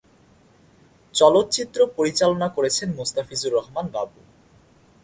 চলচ্চিত্রটি পরিচালনা করেছেন মোস্তাফিজুর রহমান বাবু।